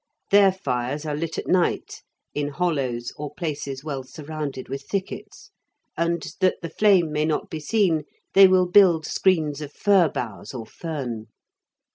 Their fires are lit at night in hollows or places well surrounded with thickets, and, that the flame may not be seen, they will build screens of fir boughs or fern.